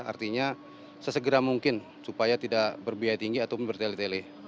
jadi prosesnya sesegera mungkin supaya tidak berbiaya tinggi ataupun bertele tele